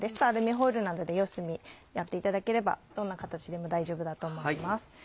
アルミホイルなどで四隅やっていただければどんな形でも大丈夫だと思います。